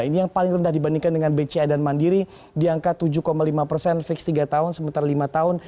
ini yang paling rendah dibandingkan dengan bca dan mandiri di angka tujuh lima persen fix tiga tahun sementara lima tahun